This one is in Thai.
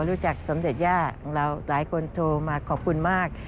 รู้จักสมรรถยาหลายคนโทรมาขอบคุณมาก